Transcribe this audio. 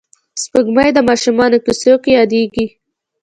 سپوږمۍ د ماشومانو کیسو کې یادېږي